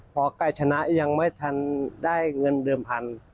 พอไก่ชนะยังไม่ทันได้เงินเดิมพัน